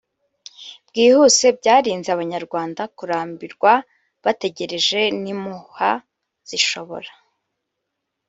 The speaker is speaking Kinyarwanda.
bwihuse byarinze abanyarwanda kurambirwa bategereje n impuha zishobora